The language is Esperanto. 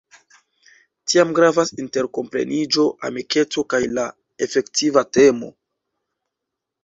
Tiam gravas interkompreniĝo, amikeco kaj la efektiva temo.